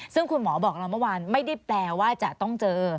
ซึ่งคุณหมอบอกเราเมื่อวานไม่ได้แปลว่าจะต้องเจอ